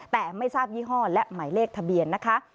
แต่ไม่ทราบยี่ห้อและหมายเลขทะเบียนนะคะ